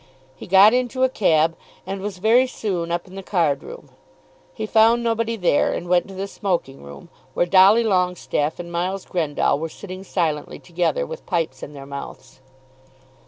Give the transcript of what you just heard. He got into a cab, and was very soon up in the card room. He found nobody there, and went to the smoking room, where Dolly Longestaffe and Miles Grendall were sitting silently together, with pipes in their mouths.